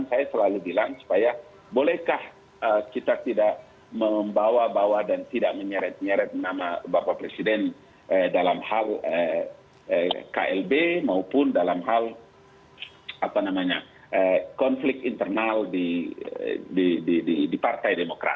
dan saya selalu bilang supaya bolehkah kita tidak membawa bawa dan tidak menyeret nyeret nama bapak presiden dalam hal klb maupun dalam hal konflik internal di partai demokrat